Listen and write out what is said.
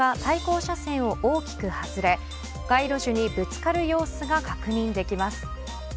前方の水色の車が対向車線を大きく外れ街路樹にぶつかる様子が確認できます。